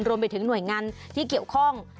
รวมไปถึงหน่วยงานที่เกี่ยวข้อง